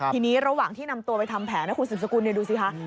ทีนี้ระหว่างที่นำตัวไปทำแผนนะคุณสุดสกุลดูสิคะ